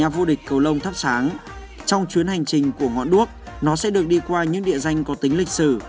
và đồng thắp sáng trong chuyến hành trình của ngọn đuốc nó sẽ được đi qua những địa danh có tính lịch sử